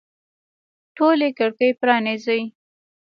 ټولي کړکۍ پرانیزئ